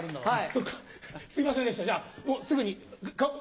はい！